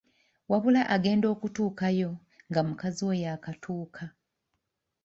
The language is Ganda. Wabula agenda okutuukayo nga mukazi we yaakakutuuka.